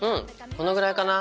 このぐらいかな。